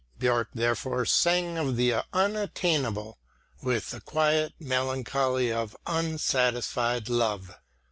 Björck therefore sang of the unattainable with the quiet melancholy of unsatisfied love.